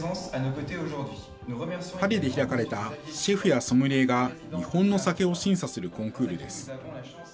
パリで開かれたシェフやソムリエが、日本の酒を審査するコンクールです。